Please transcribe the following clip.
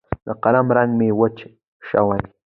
د قلم رنګ مې وچ شوی